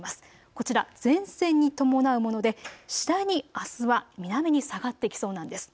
こちら前線に伴うもので次第にあすは南に下がってきそうなんです。